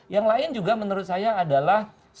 yang lain juga menurut saya adalah